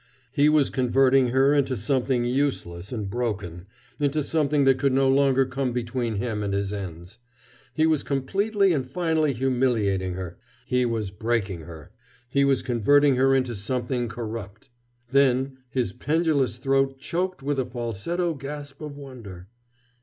He was converting her into something useless and broken, into something that could no longer come between him and his ends. He was completely and finally humiliating her. He was breaking her. He was converting her into something corrupt. ... Then his pendulous throat choked with a falsetto gasp of wonder.